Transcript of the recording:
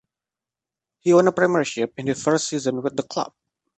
He won a premiership in his first season with the club.